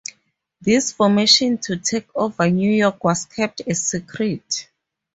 This formation to take over New York was kept a secret.